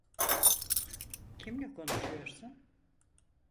Kimle konuşuyorsun?